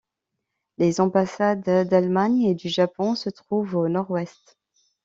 Les ambassades d'Allemagne et du Japon se trouvent au nord-ouest.